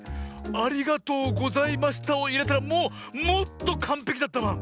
「ありがとうございました」をいえたらもうもっとかんぺきだったバン。